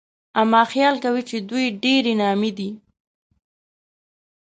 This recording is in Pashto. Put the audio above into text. اما خيال کوي چې دوی ډېرې نامي دي